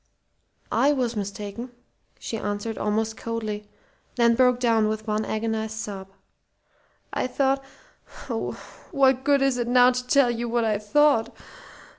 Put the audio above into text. "I was mistaken," she answered, almost coldly; then broke down with one agonized sob. "I thought oh, what good is it now to tell you what I thought?"